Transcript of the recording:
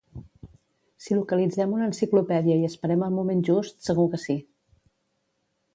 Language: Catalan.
Si localitzem una enciclopèdia i esperem el moment just, segur que sí.